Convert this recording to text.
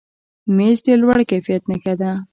مېز د لوړ کیفیت نښه ده.